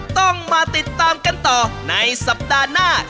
ต้องมาติดตามกันต่อในสัปดาห์หน้า